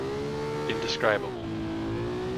Indescribable.